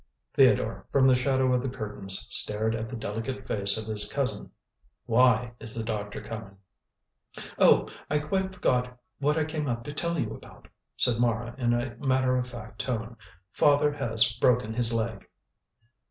Theodore, from the shadow of the curtains, stared at the delicate face of his cousin. "Why is the doctor coming?" "Oh, I quite forgot what I came up to tell you about," said Mara in a matter of fact tone. "Father has broken his leg."